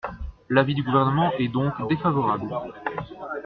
L’avis du Gouvernement est donc défavorable.